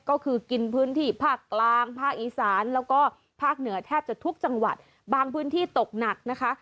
ก็คือกินพื้นที่ภาคกลางภาคอีสานแล้วก็ภาคเหนือแทบจะทุกจังหวัดบางพื้นที่ตกหนักนะคะ